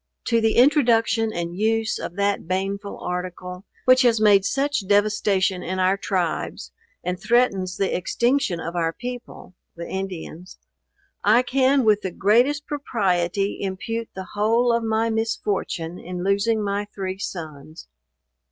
To the introduction and use or that baneful article, which has made such devastation in our tribes, and threatens the extinction of our people, (the Indians,) I can with the greatest propriety impute the whole of my misfortune in losing my three sons.